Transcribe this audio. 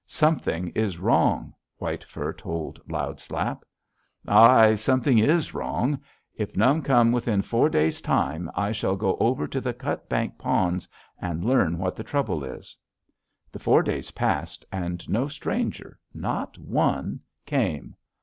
'Something is wrong,' White Fur told Loud Slap. "'Ai! Something is wrong. If none come within four days' time, I shall go over to the Cutbank ponds and learn what the trouble is.' "The four days passed, and no stranger, not one, came.